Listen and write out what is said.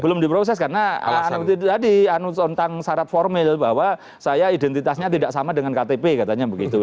belum diproses karena tadi tentang syarat formil bahwa saya identitasnya tidak sama dengan ktp katanya begitu